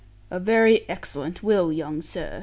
'A very excellent will, young sir.